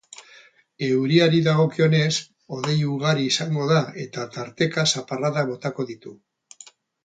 Euriari dagokionez, hodei ugari izango da eta tarteka zaparradak botako ditu.